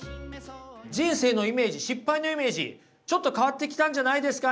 人生のイメージ失敗のイメージちょっと変わってきたんじゃないですか？